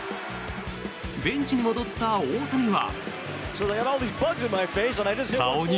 ベンチに戻った大谷は。